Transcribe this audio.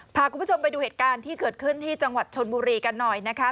พาคุณผู้ชมไปดูเหตุการณ์ที่เกิดขึ้นที่จังหวัดชนบุรีกันหน่อยนะคะ